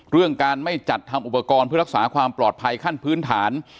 เรื่องการไม่จัดทำอุปกรณ์เพื่อรักษาความปลอดภัยขั้นพื้นฐาน